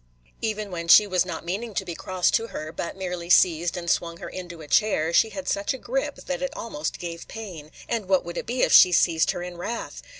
Even when she was not meaning to be cross to her, but merely seized and swung her into a chair, she had such a grip that it almost gave pain; and what would it be if she seized her in wrath?